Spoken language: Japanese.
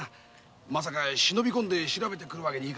まさか忍び込んで調べるわけにもな。